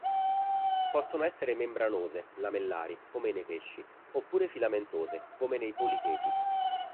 Possono essere membranose lamellari come nei pesci oppure filamentose come nei policheti.